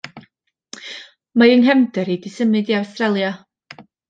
Mae 'y nghefndar i 'di symud i Awstralia.